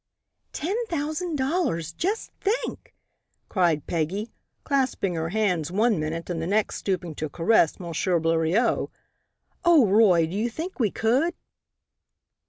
"Ten thousand dollars, just think!" cried Peggy, clasping her hands one minute and the next stooping to caress M. Bleriot. "Oh, Roy! Do you think we could?"